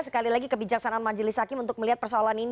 sekali lagi kebijaksanaan majelis hakim untuk melihat persoalan ini